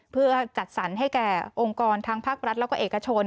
เพื่อจัดสรรให้แก่องค์กรทั้งภาครัฐแล้วก็เอกชน